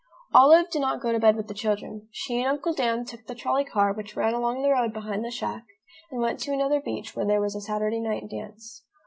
Olive did not go to bed with the children. She and Uncle Dan took the trolley car which ran along the road behind the shack and went to another beach where there was a Saturday night dance.